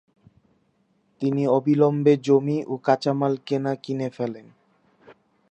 তিনি অবিলম্বে জমি ও কাঁচামাল কেনা কিনে ফেলেন।